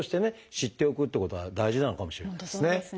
知っておくっていうことは大事なのかもしれないですね。